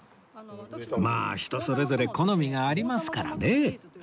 まあ人それぞれ好みがありますからね